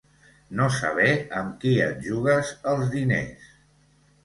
No saber amb qui et jugues els diners.